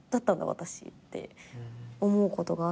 私って思うことがあって。